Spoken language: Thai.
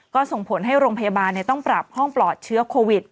ก็ส่งผลให้โรงพยาบาลต้องปรับห้องปลอดเชื้อโควิด